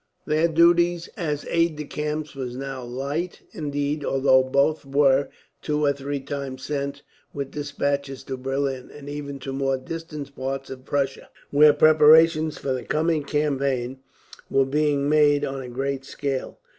Their duties as aides de camp were now light, indeed; although both were, two or three times, sent with despatches to Berlin; and even to more distant parts of Prussia, where preparations for the coming campaign were being made on a great scale.